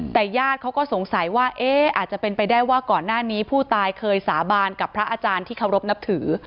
แต่ญาติเขาก็สงสัยว่าเอ๊ะอาจจะเป็นไปได้ว่าก่อนหน้านี้ผู้ตายเคยสาบานกับพระอาจารย์ที่เคารพนับถือ